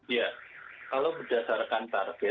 ya kalau berdasarkan target